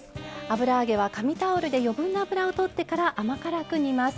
油揚げは紙タオルで余分な油を取ってから甘辛く煮ます。